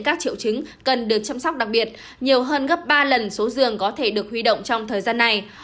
các triệu chứng cần được chăm sóc đặc biệt nhiều hơn gấp ba lần số giường có thể được huy động trong thời gian này